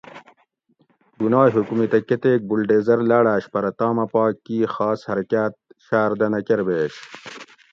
بُھونائے حکومیتہ کۤتیک بولڈیزر لاۤڑاۤش پرہ تامہ پا کی خاص حرکاۤت شاۤردہ نہ کۤربیش